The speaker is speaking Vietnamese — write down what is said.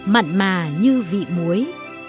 mặn mà như vị muối